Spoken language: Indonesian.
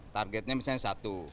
targetnya misalnya satu